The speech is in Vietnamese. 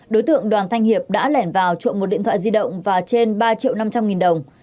đối tượng đoàn thanh hiệp đã lẻn vào trộm một điện thoại di động và trên ba triệu năm trăm linh nghìn đồng